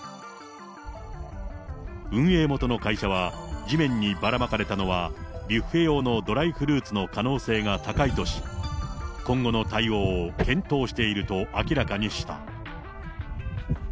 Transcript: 運営元の会社は、地面にばらまかれたのはビュッフェ用のドライフルーツの可能性が高いとし、今後の対応を検討していると明らかにした。